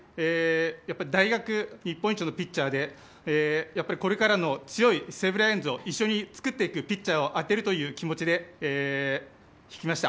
大学日本一のピッチャーでこれからの強い西武ライオンズを一緒に作っていくピッチャーを当てるという気持ちで引きました。